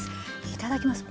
いただきます。